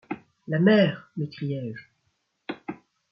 La mer ! m’écriai-je.